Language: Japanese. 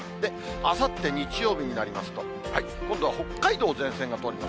あさって日曜日になりますと、今度は北海道、前線が通ります。